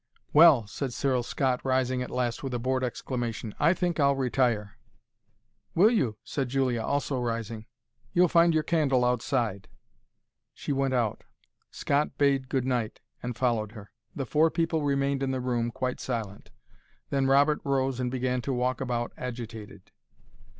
"Well!" said Cyril Scott, rising at last with a bored exclamation. "I think I'll retire." "Will you?" said Julia, also rising. "You'll find your candle outside." She went out. Scott bade good night, and followed her. The four people remained in the room, quite silent. Then Robert rose and began to walk about, agitated.